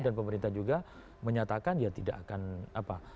dan pemerintah juga menyatakan ya tidak akan apa